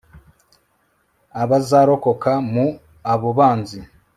abazarokoka mu abo banzi